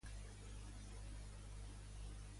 Com era la moral en què havia habitat fins llavors?